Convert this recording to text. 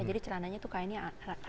jadi celananya itu kainnya rada unik